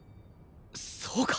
そうか！